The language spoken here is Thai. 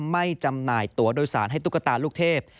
จำหน่ายตัวโดยสารให้ตุ๊กตาลูกเทพ